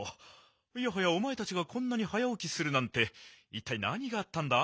いやはやおまえたちがこんなに早おきするなんていったいなにがあったんだ？